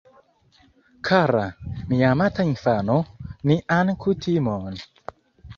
Kara, mia amata infano, nian kutimon...